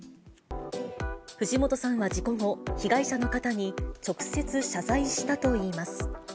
藤本さんは事故後、被害者の方に直接謝罪したといいます。